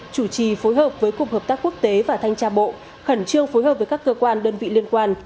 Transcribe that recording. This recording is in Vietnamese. chủ trì phối hợp với cục hợp tác quốc tế và thanh tra bộ khẩn trương phối hợp với các cơ quan đơn vị liên quan